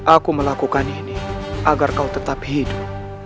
aku melakukan ini agar kau tetap hidup